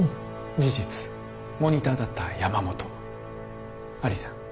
事実モニターだった山本アリさん